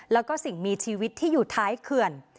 แล้วก็สิ่งมีชีวิตที่อยู่ท้ายเขื่อน